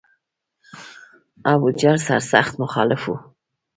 ابوجهل سر سخت مخالف و.